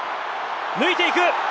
抜いていく！